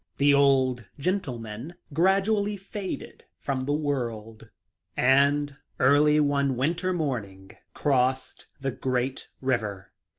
The old gentleman gradually faded from the world, and early one winter morning crossed the great river.